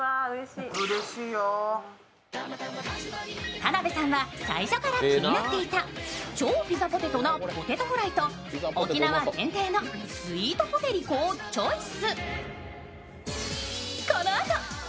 田辺さんは最初から気になっていた、超ピザポテトなポテトフライと沖縄限定のスイートポテりこをチョイス。